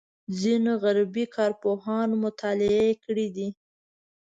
ځینو غربي کارپوهانو مطالعې کړې دي.